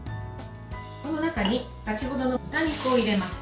この中に先ほどの豚肉を入れます。